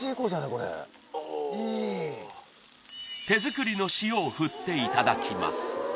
手作りの塩を振っていただきます